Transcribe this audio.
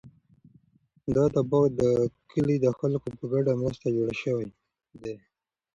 دا باغ د کلي د خلکو په ګډه مرسته جوړ شوی دی.